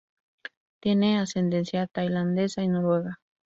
Tiene ascendencia tailandesa y noruega.